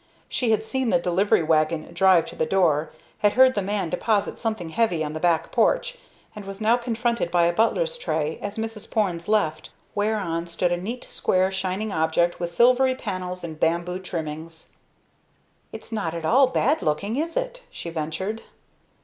She had seen the delivery wagon drive to the door, had heard the man deposit something heavy on the back porch, and was now confronted by a butler's tray at Mrs. Porne's left, whereon stood a neat square shining object with silvery panels and bamboo trimmings. "It's not at all bad looking, is it?" she ventured.